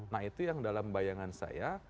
nah itu yang dalam bayangan saya